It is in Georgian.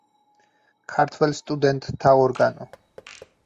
ქართველ სტუდენტთა ორგანო.